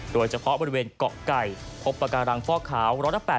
โดยเฉพาะบริเวณเกาะไก่พบปากการังฟอกขาว๑๘๐